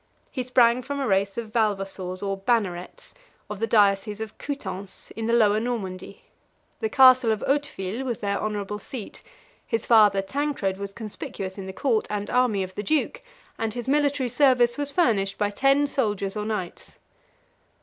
40 He sprang from a race of valvassors or bannerets, of the diocese of Coutances, in the Lower Normandy: the castle of Hauteville was their honorable seat: his father Tancred was conspicuous in the court and army of the duke; and his military service was furnished by ten soldiers or knights.